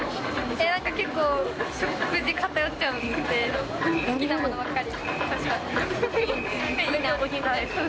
なんか結構、食事偏っちゃうんで、好きなものばっかり食べちゃう。